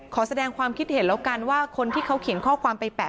ขอแสดงความคิดเห็นแล้วกันว่าคนที่เขาเขียนข้อความไปแปะ